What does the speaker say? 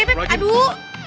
beb beb aduh